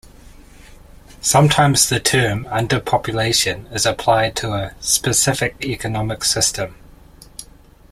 Sometimes the term underpopulation is applied to a specific economic system.